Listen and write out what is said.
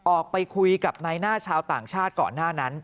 ออกไปคุยกับนายหน้าชาวต่างชาติก่อนหน้านั้น